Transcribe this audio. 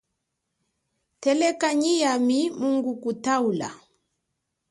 Tetekela nyi yami mungukutaula.